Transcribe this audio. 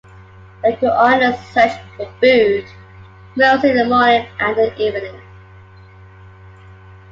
They go on a search for food, mostly in the morning and the evening.